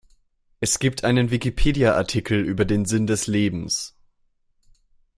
Es gibt einen Wikipedia-Artikel über den Sinn des Lebens.